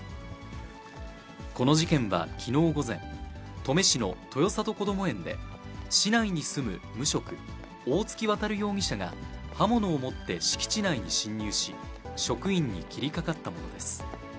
この事件はきのう午前、登米市の豊里こども園で、市内に住む無職、大槻渉容疑者が、刃物を持って敷地内に侵入し、職員に切りかかったものです。